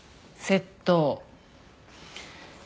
窃盗。